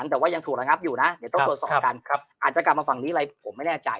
แต่ว่ายังถูกระงับอยู่นะสวัน๑๒อาจารย์กันนี้อะไรผมไม่แน่ใจ